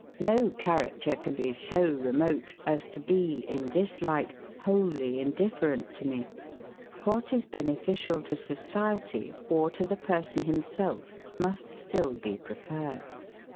No character can be so remote as to be, in this light, wholly indifferent to me. What is beneficial to society or to the person himself must still be preferred.